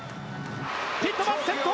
ティットマス、先頭！